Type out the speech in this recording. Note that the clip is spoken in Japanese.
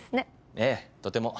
ええとても。